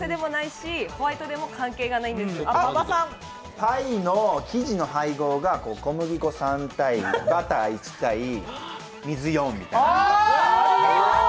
パイの生地の配合が、小麦粉３対バター１対水４みたいな。